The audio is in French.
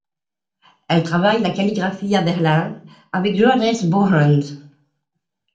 Elle travaille la calligraphie à Berlin, avec Johannes Boehland.